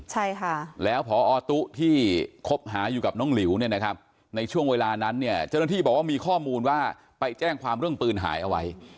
ใช่ค่ะแล้วพอตุ๊ที่คบหาอยู่กับน้องหลิวเนี่ยนะครับในช่วงเวลานั้นเนี่ยเจ้าหน้าที่บอกว่ามีข้อมูลว่าไปแจ้งความเรื่องปืนหายเอาไว้